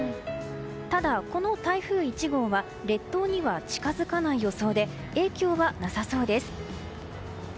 ただ、この台風１号は列島には近づかない予想で影響はなさそうです。